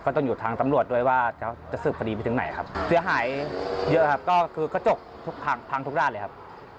ต้องอยู่ทางตำรวจด้วยว่าจะสืบคดีไปถึงไหนครับเสียหายเยอะครับก็คือกระจกทุกพังพังทุกด้านเลยครับ